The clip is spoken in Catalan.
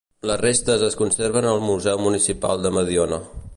Les restes es conserven al museu municipal de Mediona.